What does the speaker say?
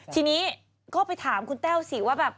ทีนี้ก็ไปถามคุณแต้วสิว่าแบบ